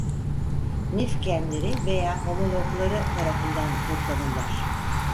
Nif genleri veya homologları tarafından kodlanırlar.